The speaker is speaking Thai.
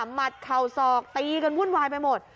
หัดเข่าศอกตีกันวุ่นวายไปหมด